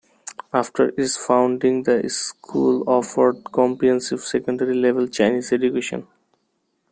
After its founding, the school offered comprehensive secondary level Chinese education.